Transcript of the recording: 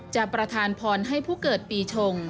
ประธานพรให้ผู้เกิดปีชง